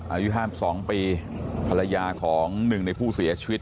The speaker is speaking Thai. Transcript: อายุ๕๒ปีภรรยาของหนึ่งในผู้เสียชีวิต